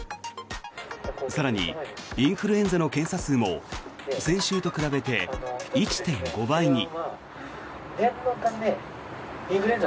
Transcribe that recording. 更に、インフルエンザの検査数も先週と比べて１．５倍に。